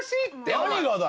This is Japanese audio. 何がだよ！